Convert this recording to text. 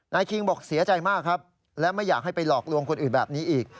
คิงบอกเสียใจมากครับและไม่อยากให้ไปหลอกลวงคนอื่นแบบนี้อีก